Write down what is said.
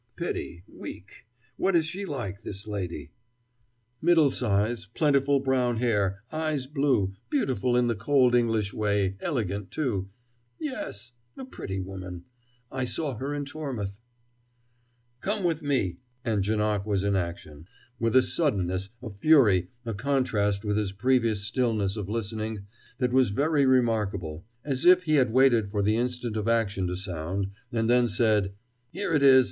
"Pity: weak. What is she like, this lady?" "Middle size plentiful brown hair eyes blue beautiful in the cold English way, elegant, too yes, a pretty woman I saw her in Tormouth " "Come with me" and Janoc was in action, with a suddenness, a fury, a contrast with his previous stillness of listening that was very remarkable as if he had waited for the instant of action to sound, and then said: "Here it is!